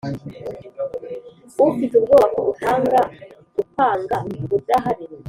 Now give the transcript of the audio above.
ufite ubwoba ko utanga akwanga udahari.